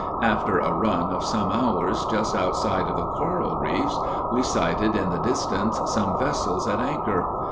After a run of some hours just outside of the coral reefs, we sighted in the distance some vessels at anchor.